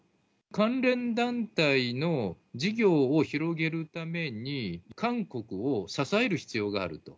関連団体の事業を広げるために、韓国を支える必要があると。